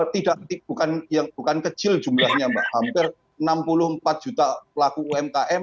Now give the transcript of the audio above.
tidak bukan kecil jumlahnya mbak hampir enam puluh empat juta pelaku umkm